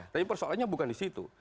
tapi persoalannya bukan di situ